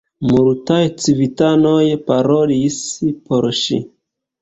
Multaj civitanoj parolis por ŝi.